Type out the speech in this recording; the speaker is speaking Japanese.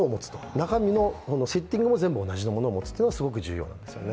中身もセッティングも同じものを持つというのがすごく重要なんですよね。